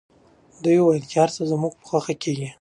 دوی وویل چي هر څه به زموږ په خوښه کیږي.